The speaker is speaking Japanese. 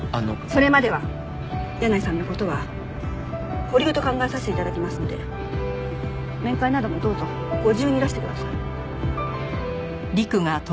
それまでは箭内さんの事は保留と考えさせて頂きますので面会などもどうぞご自由にいらしてください。